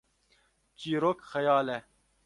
çîrok xeyal e